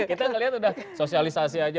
kita lihat sudah sosialisasi aja